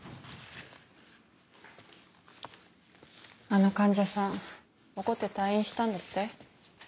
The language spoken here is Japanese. あの患者さん怒って退院したんだって？